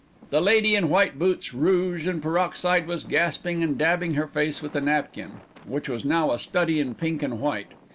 The lady in white boots, rouge and peroxide was gasping and dabbing her face with a napkin, which was now a study in pink and white.